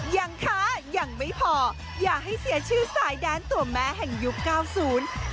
ยังคะยังไม่พออย่าให้เสียชื่อสายแดนตัวแม่แห่งยุคเก้าศูนย์